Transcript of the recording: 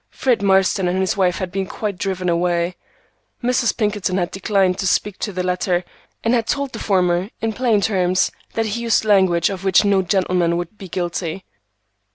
Fred Marston and his wife had been quite driven away. Mrs. Pinkerton had declined to speak to the latter, and had told the former in plain terms that he used language of which no gentleman would be guilty.